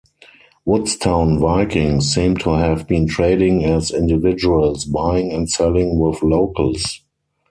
Woodstown Vikings seem to have been trading as individuals, buying and selling with locals.